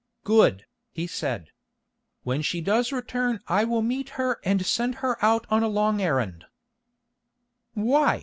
"Good," he said. "When she does return I will meet her and send her out on a long errand." "Why?"